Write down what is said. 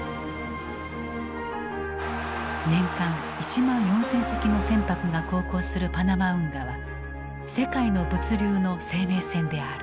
年間１万４，０００隻の船舶が航行するパナマ運河は世界の物流の生命線である。